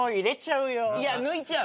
いや抜いちゃう。